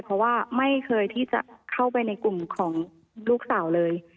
เพราะว่าไม่เคยที่จะเข้าไปในกลุ่มของลูกสาวเลย